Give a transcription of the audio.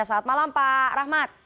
selamat malam pak rahmat